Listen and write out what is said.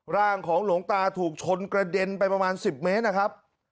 ร่างของหลวงตาถูกชนกระเด็นไปประมาณ๑๐เมตรนะครับ